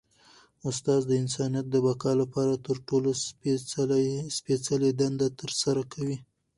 استاد د انسانیت د بقا لپاره تر ټولو سپيڅلي دنده ترسره کوي.